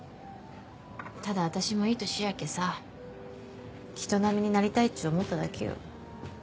ただ私もいい年やけさ人並みになりたいっち思っただけよ。